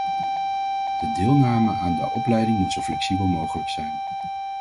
De deelname aan de opleiding moet zo flexibel mogelijk zijn.